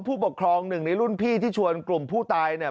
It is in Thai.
ผู้ปกครองหนึ่งในรุ่นพี่ที่ชวนกลุ่มผู้ตายเนี่ย